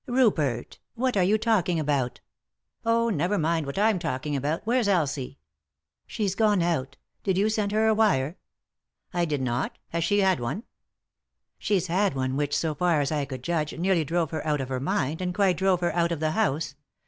" Rupert 1 what are you talking about ?"" Oh, never mind what I'm talking about — where's Elsie ?" "She's gone out. Did you send her a wire ?" "I did not; has she had one?" 285 3i 9 iii^d by Google THE INTERRUPTED KISS "She's bad one which, so far as I could judge, nearly drove her out of her mind, and quite drove her out of the house.